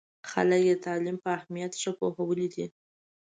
خلک یې د تعلیم په اهمیت ښه پوهولي دي.